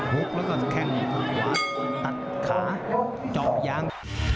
หุบแล้วก็แข่งขวาตัดค้าจอบยาง